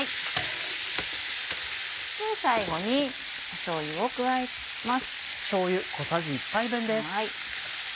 最後にしょうゆを加えます。